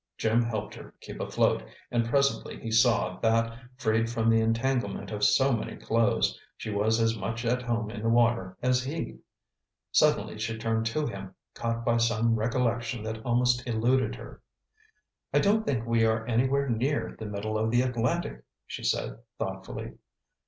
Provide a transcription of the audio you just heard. Jim helped her keep afloat, and presently he saw that, freed from the entanglement of so many clothes, she was as much at home in the water as he. Suddenly she turned to him, caught by some recollection that almost eluded her. "I don't think we are anywhere near the middle of the Atlantic," she said thoughtfully.